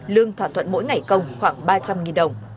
lương thỏa thuận mỗi ngày công khoảng ba trăm linh đồng